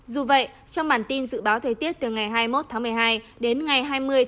dù vậy trong bản tin dự báo thời tiết từ ngày hai mươi một một mươi hai đến ngày hai mươi một hai nghìn hai mươi hai